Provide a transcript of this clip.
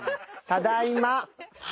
ただいま。